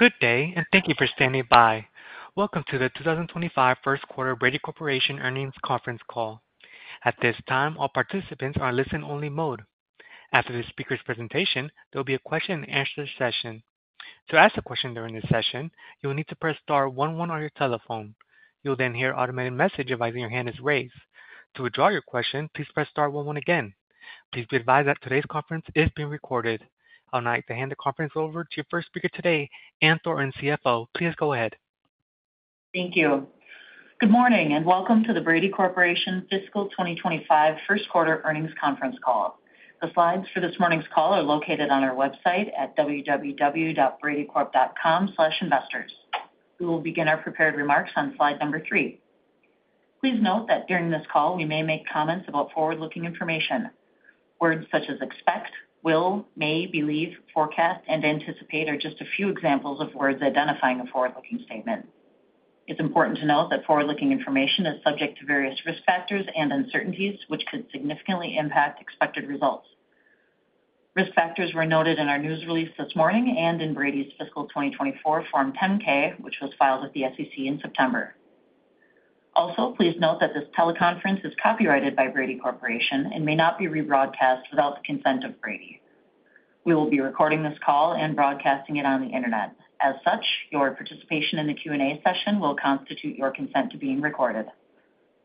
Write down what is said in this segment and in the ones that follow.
Good day, and thank you for standing by. Welcome to the 2025 Q1 Brady Corporation Earnings Conference Call. At this time, all participants are in listen-only mode. After the speaker's presentation, there will be a question-and-answer session. To ask a question during this session, you will need to press Star 11 on your telephone. You will then hear an automated message advising your hand is raised. To withdraw your question, please press Star 11 again. Please be advised that today's conference is being recorded. I would now like to hand the conference over to your first speaker today, Ann Thornton, CFO. Please go ahead. Thank you. Good morning, and welcome to the Brady Corporation Fiscal 2025 Q1 Earnings Conference Call. The slides for this morning's call are located on our website at www.bradycorp.com/investors. We will begin our prepared remarks on slide number three. Please note that during this call, we may make comments about forward-looking information. Words such as expect, will, may, believe, forecast, and anticipate are just a few examples of words identifying a forward-looking statement. It's important to note that forward-looking information is subject to various risk factors and uncertainties, which could significantly impact expected results. Risk factors were noted in our news release this morning and in Brady's Fiscal 2024 Form 10-K, which was filed with the SEC in September. Also, please note that this teleconference is copyrighted by Brady Corporation and may not be rebroadcast without the consent of Brady. We will be recording this call and broadcasting it on the internet. As such, your participation in the Q&A session will constitute your consent to being recorded.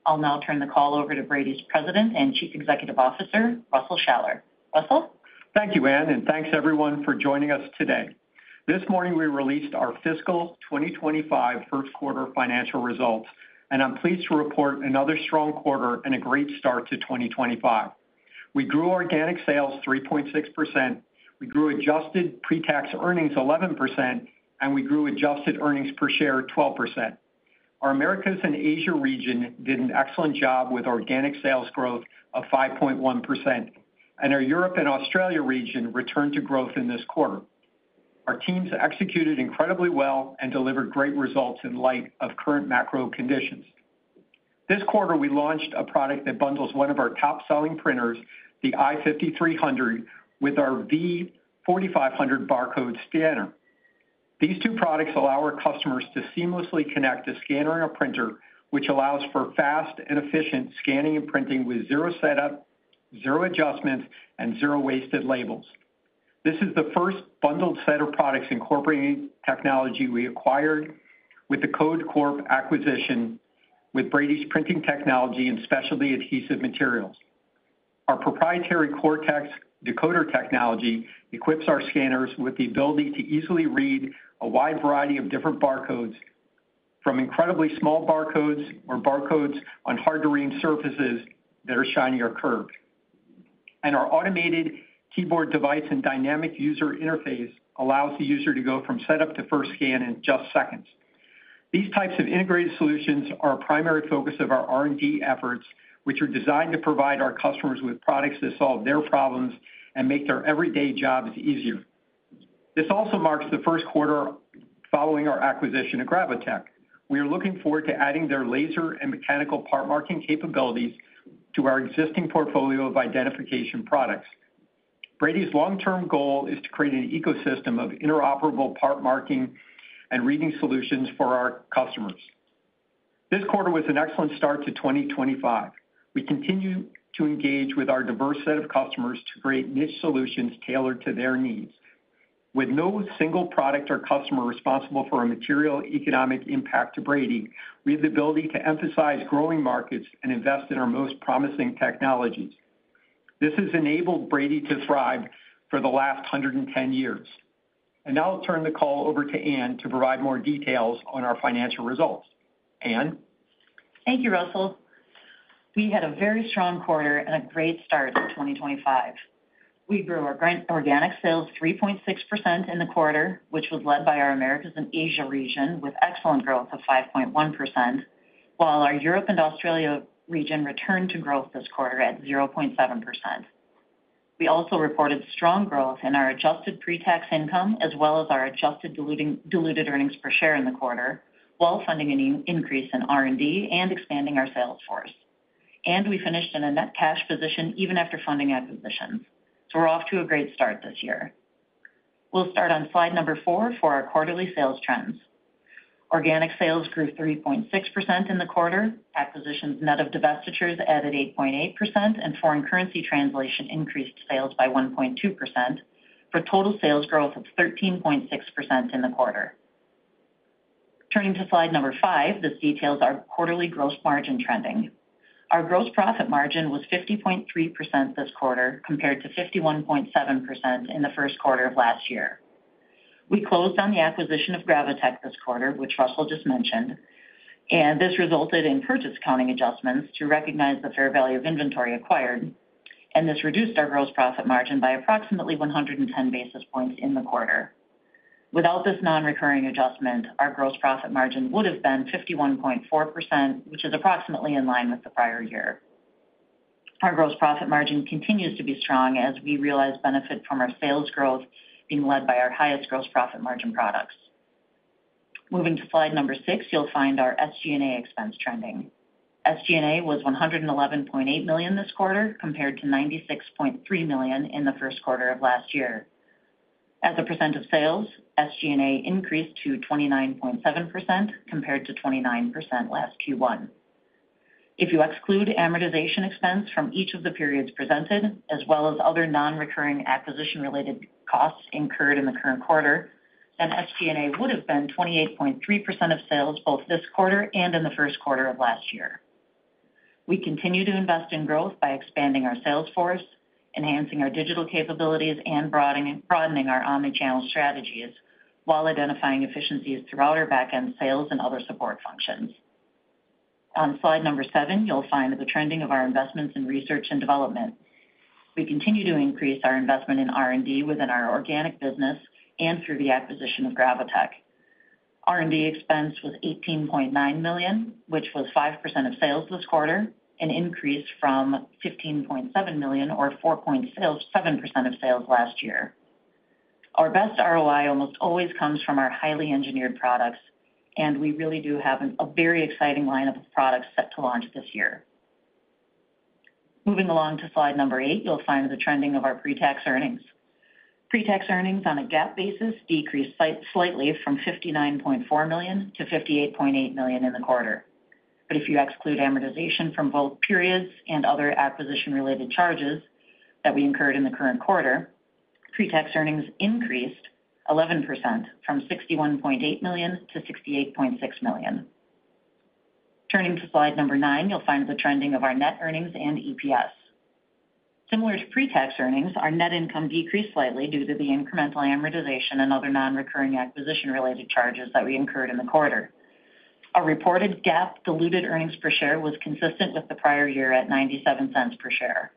I'll now turn the call over to Brady's President and Chief Executive Officer, Russell Shaller. Russell. Thank you, Ann, and thanks, everyone, for joining us today. This morning, we released our Fiscal 2025 Q1 financial results, and I'm pleased to report another strong quarter and a great start to 2025. We grew organic sales 3.6%. We grew adjusted pre-tax earnings 11%, and we grew adjusted earnings per share 12%. Our Americas and Asia region did an excellent job with organic sales growth of 5.1%, and our Europe and Australia region returned to growth in this quarter. Our teams executed incredibly well and delivered great results in light of current macro conditions. This quarter, we launched a product that bundles one of our top-selling printers, the i5300, with our V4500 barcode scanner. These two products allow our customers to seamlessly connect a scanner and a printer, which allows for fast and efficient scanning and printing with zero setup, zero adjustments, and zero wasted labels. This is the first bundled set of products incorporating technology we acquired with the Code Corp acquisition with Brady's printing technology and specialty adhesive materials. Our proprietary CortexDecoder technology equips our scanners with the ability to easily read a wide variety of different barcodes, from incredibly small barcodes or barcodes on hard-to-read surfaces that are shiny or curved, and our automated keyboard device and dynamic user interface allows the user to go from setup to first scan in just seconds. These types of integrated solutions are a primary focus of our R&D efforts, which are designed to provide our customers with products that solve their problems and make their everyday jobs easier. This also marks the Q1 following our acquisition of Gravotech. We are looking forward to adding their laser and mechanical part marking capabilities to our existing portfolio of identification products. Brady's long-term goal is to create an ecosystem of interoperable part marking and reading solutions for our customers. This quarter was an excellent start to 2025. We continue to engage with our diverse set of customers to create niche solutions tailored to their needs. With no single product or customer responsible for a material economic impact to Brady, we have the ability to emphasize growing markets and invest in our most promising technologies. This has enabled Brady to thrive for the last 110 years, and now I'll turn the call over to Ann to provide more details on our financial results. Ann. Thank you, Russell. We had a very strong quarter and a great start to 2025. We grew our organic sales 3.6% in the quarter, which was led by our Americas and Asia region with excellent growth of 5.1%, while our Europe and Australia region returned to growth this quarter at 0.7%. We also reported strong growth in our adjusted pre-tax income as well as our adjusted diluted earnings per share in the quarter, while funding an increase in R&D and expanding our sales force. And we finished in a net cash position even after funding acquisitions. So we're off to a great start this year. We'll start on slide number four for our quarterly sales trends. Organic sales grew 3.6% in the quarter. Acquisitions net of divestitures added 8.8%, and foreign currency translation increased sales by 1.2% for total sales growth of 13.6% in the quarter. Turning to slide number five, this details our quarterly gross margin trending. Our gross profit margin was 50.3% this quarter compared to 51.7% in the Q1 of last year. We closed on the acquisition of Gravotech this quarter, which Russell just mentioned, and this resulted in purchase accounting adjustments to recognize the fair value of inventory acquired, and this reduced our gross profit margin by approximately 110 basis points in the quarter. Without this non-recurring adjustment, our gross profit margin would have been 51.4%, which is approximately in line with the prior year. Our gross profit margin continues to be strong as we realize benefit from our sales growth being led by our highest gross profit margin products. Moving to slide number six, you'll find our SG&A expense trending. SG&A was $111.8 million this quarter compared to $96.3 million in the Q1 of last year. As a % of sales, SG&A increased to 29.7% compared to 29% last Q1. If you exclude amortization expense from each of the periods presented, as well as other non-recurring acquisition-related costs incurred in the current quarter, then SG&A would have been 28.3% of sales both this quarter and in the Q1 of last year. We continue to invest in growth by expanding our sales force, enhancing our digital capabilities, and broadening our omnichannel strategies while identifying efficiencies throughout our back-end sales and other support functions. On slide number seven, you'll find the trending of our investments in research and development. We continue to increase our investment in R&D within our organic business and through the acquisition of Gravotech. R&D expense was $18.9 million, which was 5% of sales this quarter, an increase from $15.7 million or 4.7% of sales last year. Our best ROI almost always comes from our highly engineered products, and we really do have a very exciting lineup of products set to launch this year. Moving along to slide number eight, you'll find the trending of our pre-tax earnings. Pre-tax earnings on a GAAP basis decreased slightly from $59.4 million to $58.8 million in the quarter. But if you exclude amortization from both periods and other acquisition-related charges that we incurred in the current quarter, pre-tax earnings increased 11% from $61.8 million to $68.6 million. Turning to slide number nine, you'll find the trending of our net earnings and EPS. Similar to pre-tax earnings, our net income decreased slightly due to the incremental amortization and other non-recurring acquisition-related charges that we incurred in the quarter. Our reported GAAP diluted earnings per share was consistent with the prior year at $0.97 per share.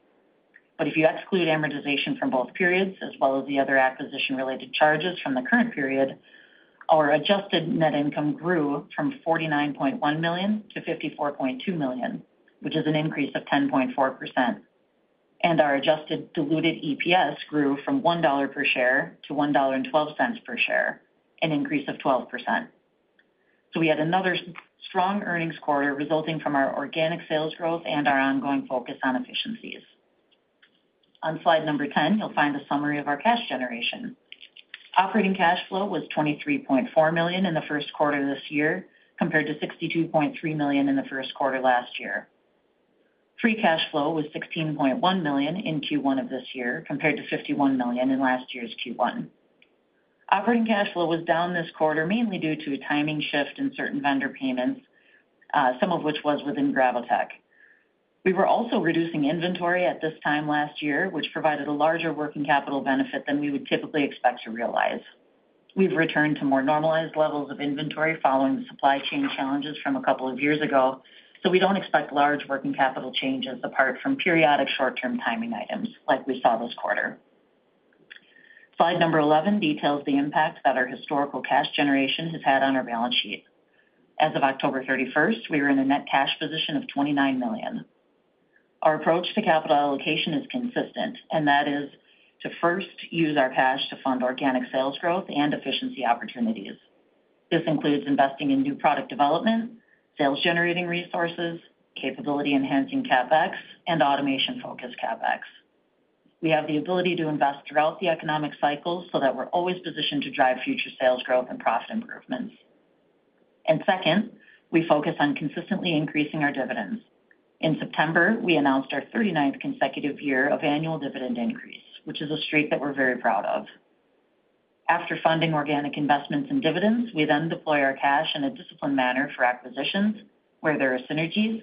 If you exclude amortization from both periods as well as the other acquisition-related charges from the current period, our adjusted net income grew from $49.1 million to $54.2 million, which is an increase of 10.4%. Our adjusted diluted EPS grew from $1 per share to $1.12 per share, an increase of 12%. We had another strong earnings quarter resulting from our organic sales growth and our ongoing focus on efficiencies. On slide number 10, you'll find a summary of our cash generation. Operating cash flow was $23.4 million in the Q1 of this year compared to $62.3 million in the Q1 last year. Free cash flow was $16.1 million in Q1 of this year compared to $51 million in last year's Q1. Operating cash flow was down this quarter mainly due to a timing shift in certain vendor payments, some of which was within Gravotech. We were also reducing inventory at this time last year, which provided a larger working capital benefit than we would typically expect to realize. We've returned to more normalized levels of inventory following supply chain challenges from a couple of years ago, so we don't expect large working capital changes apart from periodic short-term timing items like we saw this quarter. Slide number 11 details the impact that our historical cash generation has had on our balance sheet. As of October 31st, we were in a net cash position of $29 million. Our approach to capital allocation is consistent, and that is to first use our cash to fund organic sales growth and efficiency opportunities. This includes investing in new product development, sales-generating resources, capability-enhancing CapEx, and automation-focused CapEx. We have the ability to invest throughout the economic cycle so that we're always positioned to drive future sales growth and profit improvements. And second, we focus on consistently increasing our dividends. In September, we announced our 39th consecutive year of annual dividend increase, which is a streak that we're very proud of. After funding organic investments and dividends, we then deploy our cash in a disciplined manner for acquisitions where there are synergies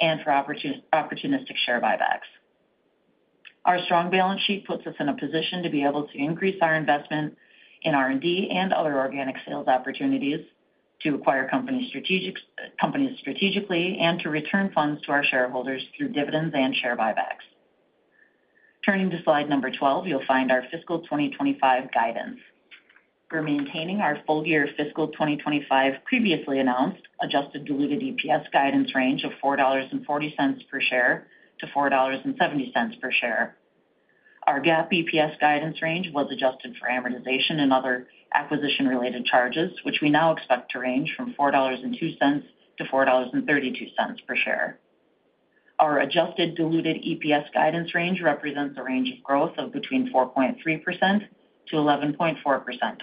and for opportunistic share buybacks. Our strong balance sheet puts us in a position to be able to increase our investment in R&D and other organic sales opportunities to acquire companies strategically and to return funds to our shareholders through dividends and share buybacks. Turning to slide number 12, you'll find our Fiscal 2025 guidance. We're maintaining our full-year Fiscal 2025 previously announced adjusted diluted EPS guidance range of $4.40 per share to $4.70 per share. Our GAAP EPS guidance range was adjusted for amortization and other acquisition-related charges, which we now expect to range from $4.02-$4.32 per share. Our adjusted diluted EPS guidance range represents a range of growth of between 4.3% to 11.4%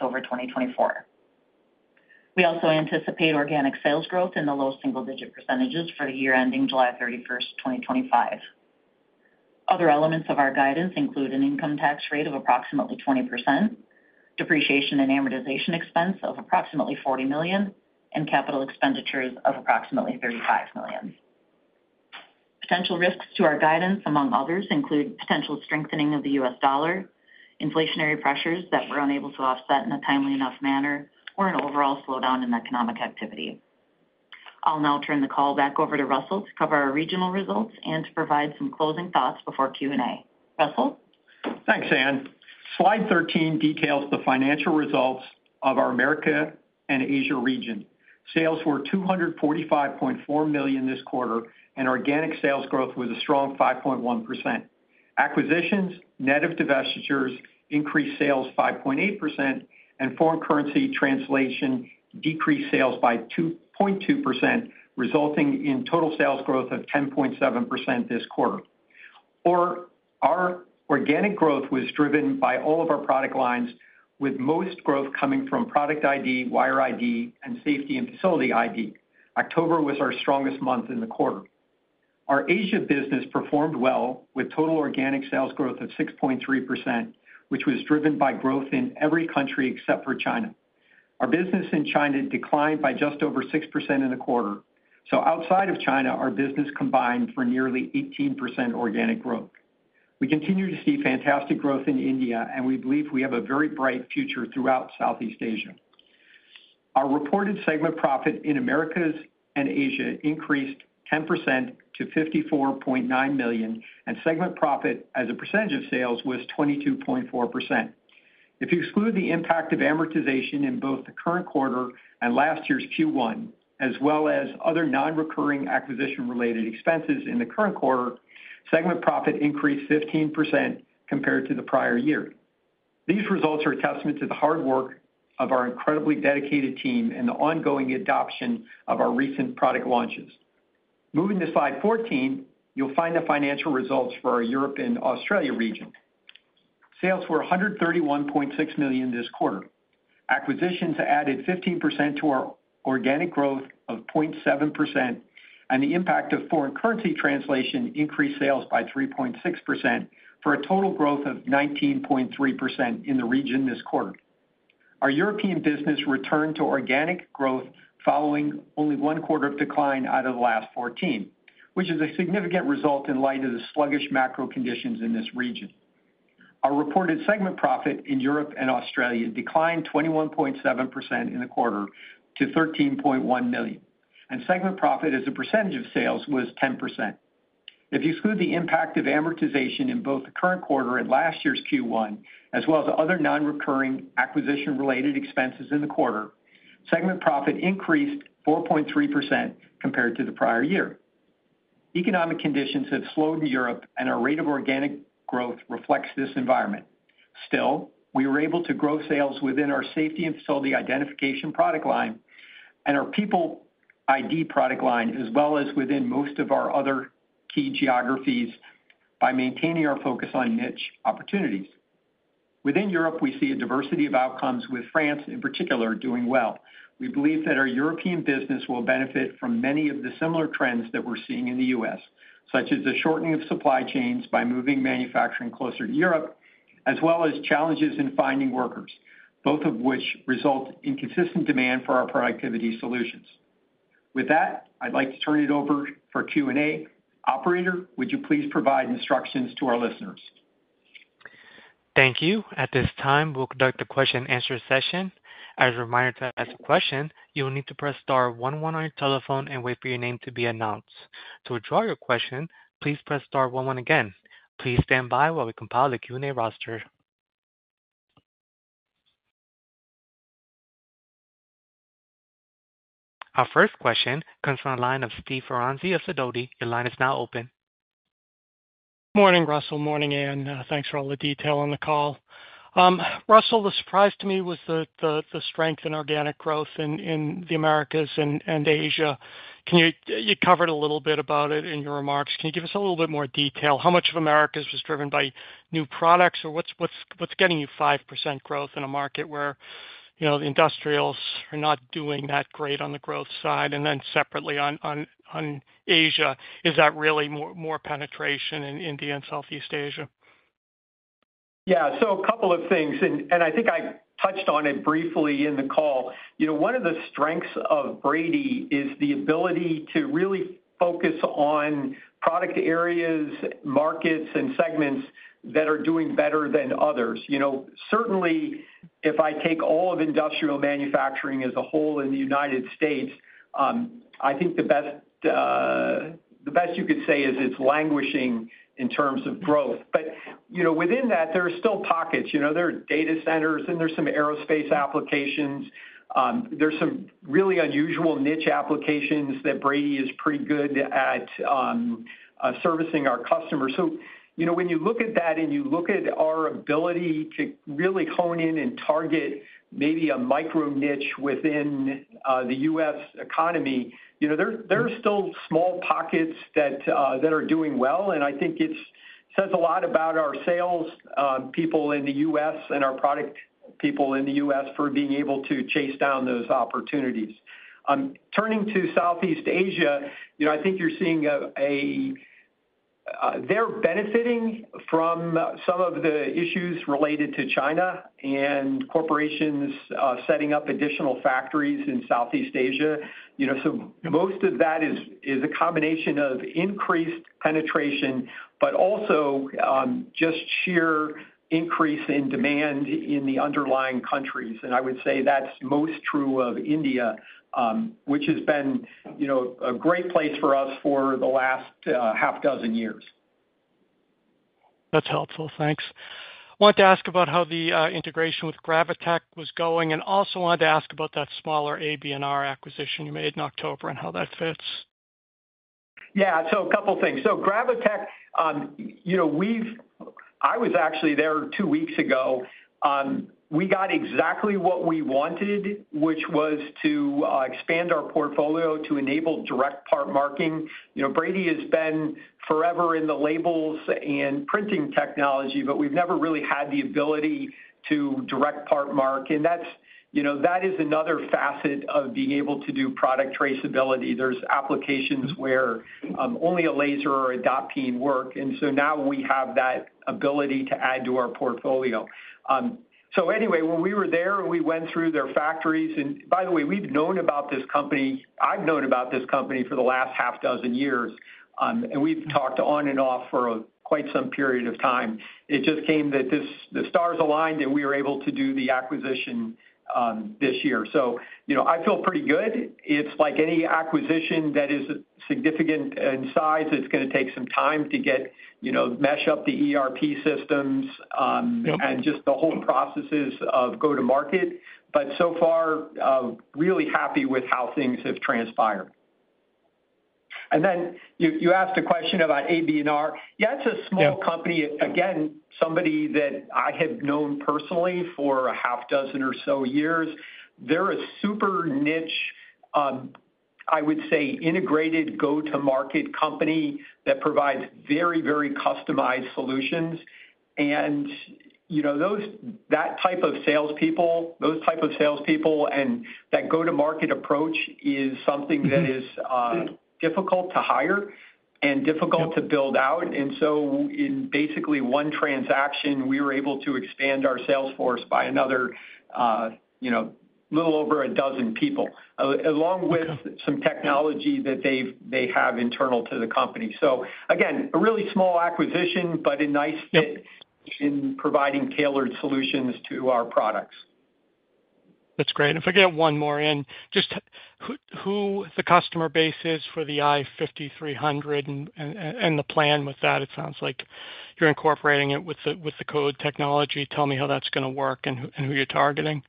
over 2024. We also anticipate organic sales growth in the low single-digit % for the year ending July 31st, 2025. Other elements of our guidance include an income tax rate of approximately 20%, depreciation and amortization expense of approximately $40 million, and capital expenditures of approximately $35 million. Potential risks to our guidance, among others, include potential strengthening of the U.S. dollar, inflationary pressures that we're unable to offset in a timely enough manner, or an overall slowdown in economic activity. I'll now turn the call back over to Russell to cover our regional results and to provide some closing thoughts before Q&A. Russell. Thanks, Ann. Slide 13 details the financial results of our Americas and Asia region. Sales were $245.4 million this quarter, and organic sales growth was a strong 5.1%. Acquisitions, net of divestitures, increased sales 5.8%, and foreign currency translation decreased sales by 2.2%, resulting in total sales growth of 10.7% this quarter. Our organic growth was driven by all of our product lines, with most growth coming from product ID, wire ID, and safety and facility ID. October was our strongest month in the quarter. Our Asia business performed well with total organic sales growth of 6.3%, which was driven by growth in every country except for China. Our business in China declined by just over 6% in the quarter. So outside of China, our business combined for nearly 18% organic growth. We continue to see fantastic growth in India, and we believe we have a very bright future throughout Southeast Asia. Our reported segment profit in Americas and Asia increased 10% to $54.9 million, and segment profit as a percentage of sales was 22.4%. If you exclude the impact of amortization in both the current quarter and last year's Q1, as well as other non-recurring acquisition-related expenses in the current quarter, segment profit increased 15% compared to the prior year. These results are a testament to the hard work of our incredibly dedicated team and the ongoing adoption of our recent product launches. Moving to slide 14, you'll find the financial results for our Europe and Australia region. Sales were $131.6 million this quarter. Acquisitions added 15% to our organic growth of 0.7%, and the impact of foreign currency translation increased sales by 3.6% for a total growth of 19.3% in the region this quarter. Our European business returned to organic growth following only one quarter of decline out of the last 14, which is a significant result in light of the sluggish macro conditions in this region. Our reported segment profit in Europe and Australia declined 21.7% in the quarter to $13.1 million, and segment profit as a percentage of sales was 10%. If you exclude the impact of amortization in both the current quarter and last year's Q1, as well as other non-recurring acquisition-related expenses in the quarter, segment profit increased 4.3% compared to the prior year. Economic conditions have slowed in Europe, and our rate of organic growth reflects this environment. Still, we were able to grow sales within our safety and facility identification product line and our people ID product line, as well as within most of our other key geographies by maintaining our focus on niche opportunities. Within Europe, we see a diversity of outcomes, with France in particular doing well. We believe that our European business will benefit from many of the similar trends that we're seeing in the U.S., such as the shortening of supply chains by moving manufacturing closer to Europe, as well as challenges in finding workers, both of which result in consistent demand for our productivity solutions. With that, I'd like to turn it over for Q&A. Operator, would you please provide instructions to our listeners? Thank you. At this time, we'll conduct a question-and-answer session. As a reminder to ask a question, you will need to press star one on your telephone and wait for your name to be announced. To withdraw your question, please press star one again. Please stand by while we compile the Q&A roster. Our first question comes from the line of Steve Ferazani of Sidoti. Your line is now open. Good morning, Russell. Morning, Ann. Thanks for all the detail on the call. Russell, the surprise to me was the strength in organic growth in the Americas and Asia. You covered a little bit about it in your remarks. Can you give us a little bit more detail? How much of Americas' was driven by new products, or what's getting you 5% growth in a market where the industrials are not doing that great on the growth side? And then separately on Asia, is that really more penetration in India and Southeast Asia? Yeah, so a couple of things, and I think I touched on it briefly in the call. One of the strengths of Brady is the ability to really focus on product areas, markets, and segments that are doing better than others. Certainly, if I take all of industrial manufacturing as a whole in the United States, I think the best you could say is it's languishing in terms of growth. But within that, there are still pockets. There are data centers, and there are some aerospace applications. There are some really unusual niche applications that Brady is pretty good at servicing our customers. When you look at that and you look at our ability to really hone in and target maybe a micro niche within the U.S. economy, there are still small pockets that are doing well, and I think it says a lot about our salespeople in the U.S. and our product people in the U.S. for being able to chase down those opportunities. Turning to Southeast Asia, I think you're seeing they're benefiting from some of the issues related to China and corporations setting up additional factories in Southeast Asia. So most of that is a combination of increased penetration, but also just sheer increase in demand in the underlying countries. I would say that's most true of India, which has been a great place for us for the last half dozen years. That's helpful. Thanks. I wanted to ask about how the integration with Gravotech was going, and also wanted to ask about that smaller AB&R acquisition you made in October and how that fits. Yeah. So a couple of things. So Gravotech, I was actually there two weeks ago. We got exactly what we wanted, which was to expand our portfolio to enable direct part marking. Brady has been forever in the labels and printing technology, but we've never really had the ability to direct part mark. And that is another facet of being able to do product traceability. There's applications where only a laser or a dot peen work. And so now we have that ability to add to our portfolio. So anyway, when we were there, we went through their factories. And by the way, we've known about this company. I've known about this company for the last half dozen years, and we've talked on and off for quite some period of time. It just came that the stars aligned and we were able to do the acquisition this year. So I feel pretty good. It's like any acquisition that is significant in size. It's going to take some time to mesh up the ERP systems and just the whole processes of go-to-market. But so far, really happy with how things have transpired. And then you asked a question about AB&R. Yeah, it's a small company. Again, somebody that I have known personally for a half dozen or so years. They're a super niche, I would say, integrated go-to-market company that provides very, very customized solutions. And that type of salespeople, those type of salespeople, and that go-to-market approach is something that is difficult to hire and difficult to build out. And so in basically one transaction, we were able to expand our sales force by another little over a dozen people, along with some technology that they have internal to the company. So again, a really small acquisition, but a nice fit in providing tailored solutions to our products. That's great. If we get one more in, just who the customer base is for the i5300 and the plan with that, it sounds like you're incorporating it with the code technology. Tell me how that's going to work and who you're targeting.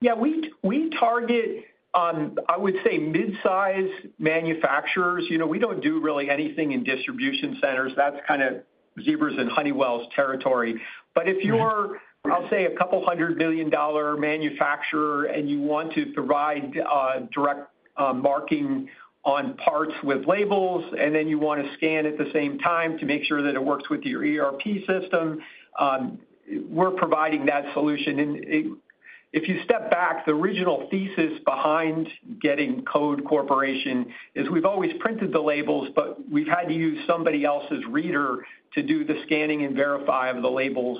Yeah. We target, I would say, mid-size manufacturers. We don't do really anything in distribution centers. That's kind of Zebra's and Honeywell's territory. But if you're, I'll say, a couple hundred million dollar manufacturer and you want to provide direct marking on parts with labels, and then you want to scan at the same time to make sure that it works with your ERP system, we're providing that solution. And if you step back, the original thesis behind getting Code Corporation is we've always printed the labels, but we've had to use somebody else's reader to do the scanning and verify of the labels,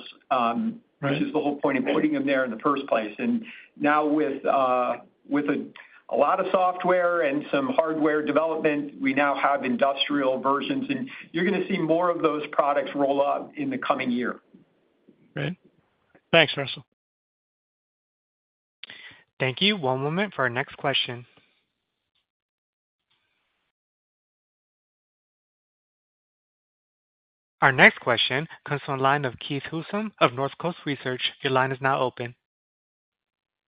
which is the whole point of putting them there in the first place. And now with a lot of software and some hardware development, we now have industrial versions, and you're going to see more of those products roll up in the coming year. Great. Thanks, Russell. Thank you. One moment for our next question. Our next question comes from a line of Keith Housum of Northcoast Research. Your line is now open.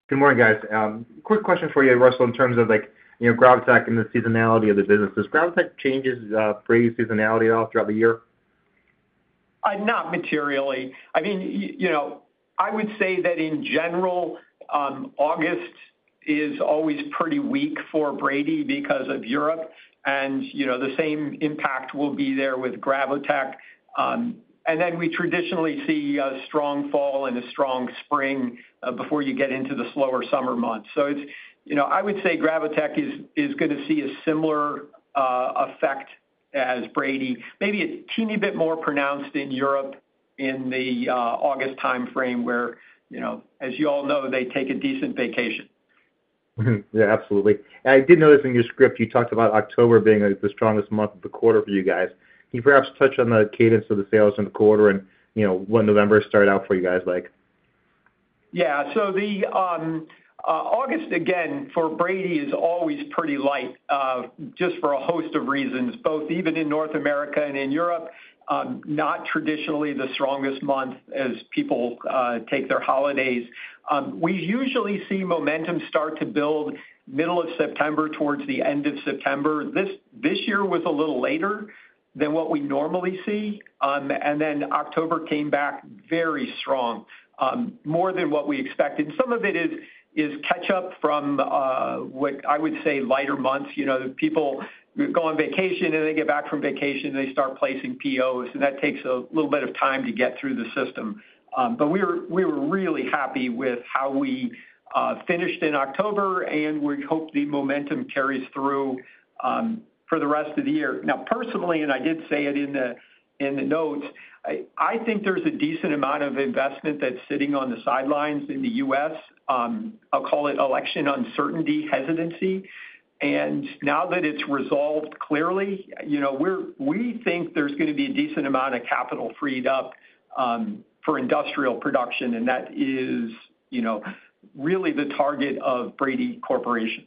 Good morning, guys. Quick question for you, Russell, in terms of Gravotech and the seasonality of the businesses. Gravotech changes Brady's seasonality at all throughout the year? Not materially. I mean, I would say that in general, August is always pretty weak for Brady because of Europe, and the same impact will be there with Gravotech. And then we traditionally see a strong fall and a strong spring before you get into the slower summer months. So I would say Gravotech is going to see a similar effect as Brady. Maybe a teeny bit more pronounced in Europe in the August timeframe where, as you all know, they take a decent vacation. Yeah, absolutely. And I did notice in your script, you talked about October being the strongest month of the quarter for you guys. Can you perhaps touch on the cadence of the sales in the quarter and what November started out for you guys like? Yeah. So the August, again, for Brady, is always pretty light just for a host of reasons, both even in North America and in Europe, not traditionally the strongest month as people take their holidays. We usually see momentum start to build middle of September toward the end of September. This year was a little later than what we normally see, and then October came back very strong, more than what we expected, and some of it is catch-up from what I would say lighter months. People go on vacation, and they get back from vacation, and they start placing POs, and that takes a little bit of time to get through the system. But we were really happy with how we finished in October, and we hope the momentum carries through for the rest of the year. Now, personally, and I did say it in the notes, I think there's a decent amount of investment that's sitting on the sidelines in the U.S. I'll call it election uncertainty hesitancy, and now that it's resolved clearly, we think there's going to be a decent amount of capital freed up for industrial production, and that is really the target of Brady Corporation.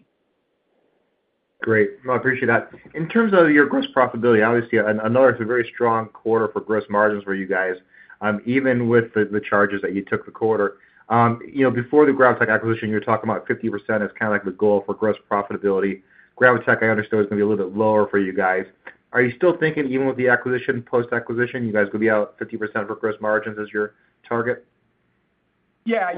Great. I appreciate that. In terms of your gross profitability, obviously, I know it's a very strong quarter for gross margins for you guys, even with the charges that you took the quarter. Before the Gravotech acquisition, you were talking about 50% as kind of like the goal for gross profitability. Gravotech, I understood, is going to be a little bit lower for you guys. Are you still thinking, even with the acquisition, post-acquisition, you guys could be out 50% for gross margins as your target? Yeah.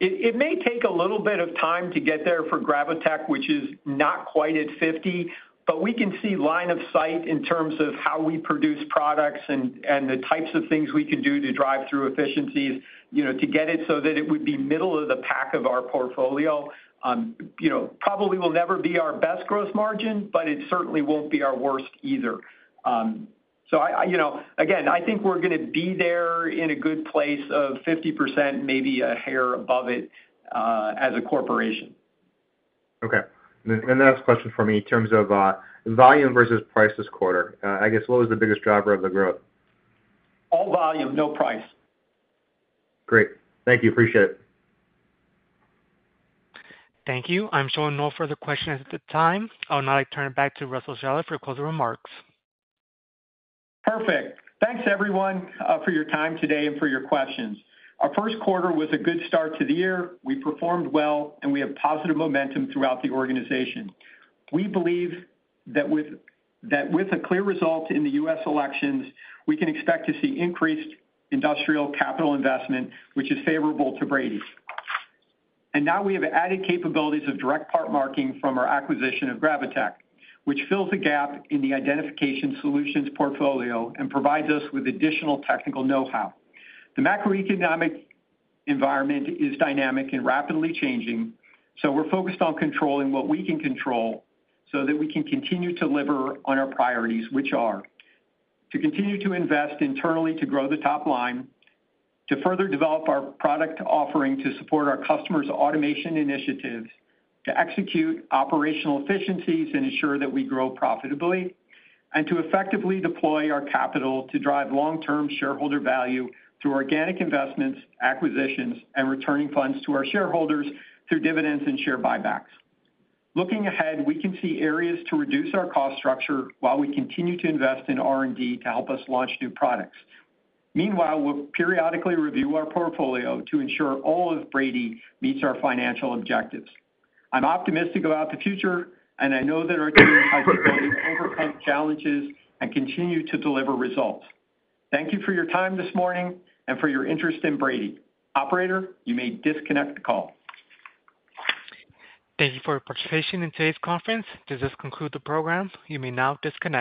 It may take a little bit of time to get there for Gravotech, which is not quite at 50, but we can see line of sight in terms of how we produce products and the types of things we can do to drive through efficiencies to get it so that it would be middle of the pack of our portfolio. Probably will never be our best gross margin, but it certainly won't be our worst either. So again, I think we're going to be there in a good place of 50%, maybe a hair above it as a corporation. Okay. And the next question for me in terms of volume versus price this quarter, I guess, what was the biggest driver of the growth? All volume, no price. Great. Thank you. Appreciate it. Thank you. I'm showing no further questions at the time. I'll now turn it back to Russell Shaller for closing remarks. Perfect. Thanks, everyone, for your time today and for your questions. Our Q1 was a good start to the year. We performed well, and we have positive momentum throughout the organization. We believe that with a clear result in the U.S. elections, we can expect to see increased industrial capital investment, which is favorable to Brady. And now we have added capabilities of direct part marking from our acquisition of Gravotech, which fills the gap in the identification solutions portfolio and provides us with additional technical know-how. The macroeconomic environment is dynamic and rapidly changing, so we're focused on controlling what we can control so that we can continue to deliver on our priorities, which are to continue to invest internally to grow the top line, to further develop our product offering to support our customers' automation initiatives, to execute operational efficiencies and ensure that we grow profitably, and to effectively deploy our capital to drive long-term shareholder value through organic investments, acquisitions, and returning funds to our shareholders through dividends and share buybacks. Looking ahead, we can see areas to reduce our cost structure while we continue to invest in R&D to help us launch new products. Meanwhile, we'll periodically review our portfolio to ensure all of Brady meets our financial objectives. I'm optimistic about the future, and I know that our team has the ability to overcome challenges and continue to deliver results. Thank you for your time this morning and for your interest in Brady. Operator, you may disconnect the call. Thank you for your participation in today's conference. This does conclude the program. You may now disconnect.